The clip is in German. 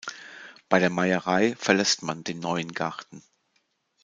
Bei der Meierei verlässt man den Neuen Garten.